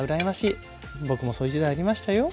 僕もそういう時代ありましたよ。